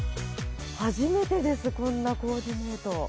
初めてですこんなコーディネート。